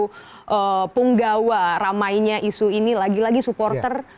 bung indro penggawa ramainya isu ini lagi lagi supporter